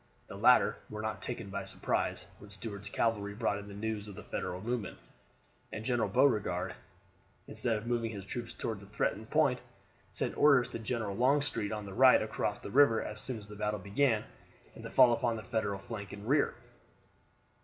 The latter were not taken by surprise when Stuart's cavalry brought in news of the Federal movement, and General Beauregard, instead of moving his troops toward the threatened point, sent orders to General Longstreet on the right to cross the river as soon as the battle began, and to fall upon the Federal flank and rear.